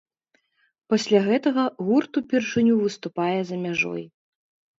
Пасля гэтага гурт упершыню выступае за мяжой.